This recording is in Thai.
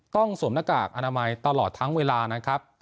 สวมหน้ากากอนามัยตลอดทั้งเวลานะครับ